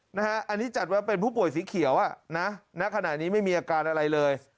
อันนี้จัดไว้เป็นผู้ป่วยสีเขียวณขณะนี้ไม่มีอาการอะไรเลย